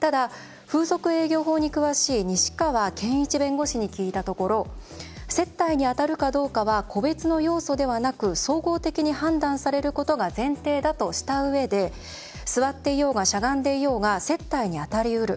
ただ、風俗営業法に詳しい西川研一弁護士に聞いたところ接待にあたるかどうかは個別の要素ではなく総合的に判断されることが前提だとしたうえで座っていようがしゃがんでいようが接待にあたり得る。